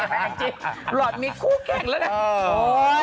หล่อนมีคู่แข็งแล้วนะ